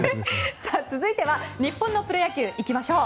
続いては日本のプロ野球いきましょう。